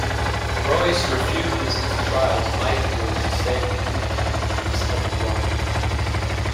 Royce refuses and strives mightily to save the two "captives" of the wild.